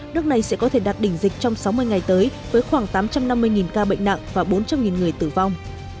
nước này sẽ có thể đạt đỉnh dịch trong sáu mươi ngày tới với khoảng tám trăm năm mươi ca bệnh nặng và bốn trăm linh người tử vong